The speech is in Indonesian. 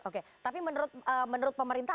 oke tapi menurut pemerintah